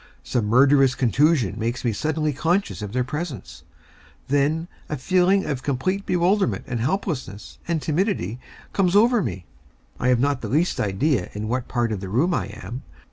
Some murderous contusion makes me suddenly conscious of their presence. Then a feeling of complete bewilderment and helplessness and timidity comes over me. I have not the least idea in what part of the room I am.